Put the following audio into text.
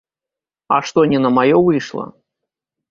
А што, не на маё выйшла?